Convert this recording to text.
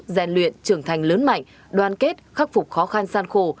gian luyện trưởng thành lớn mạnh đoàn kết khắc phục khó khăn san khổ